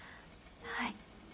はい。